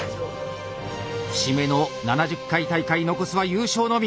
節目の７０回大会残すは優勝のみ。